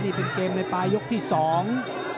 นี่เป็นเกมในปลายยกที่สอง